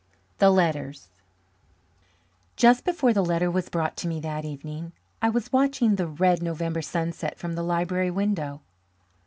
The Letters Just before the letter was brought to me that evening I was watching the red November sunset from the library window.